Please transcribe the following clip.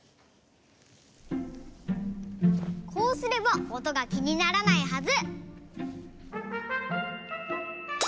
こうすればおとがきにならないはず！